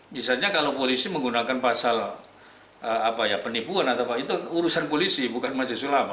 misalnya kalau polisi menggunakan pasal penipuan itu urusan polisi bukan majelis ulama